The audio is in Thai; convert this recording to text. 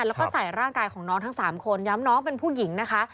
แล้วก็ใส่ร่างกายของน้องทั้ง๓คนย้ำน้องเป็นผู้หญิงนะคะ